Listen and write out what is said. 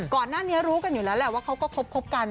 ก่อนหน้านี้รู้กันอยู่แล้วแหละว่าเขาก็คบกัน